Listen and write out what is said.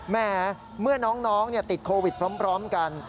แม่เมื่อน้องติดโควิดพร้อมกัน